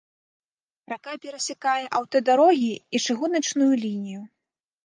Рака перасякае аўтадарогі і чыгуначную лінію.